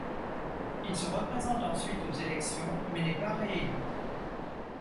Il se représente ensuite aux élections mais n'est pas réélu.